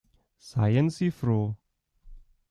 Seien Sie froh.